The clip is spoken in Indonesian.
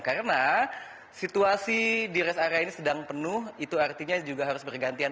karena situasi di rest area ini sedang penuh itu artinya juga harus bergantian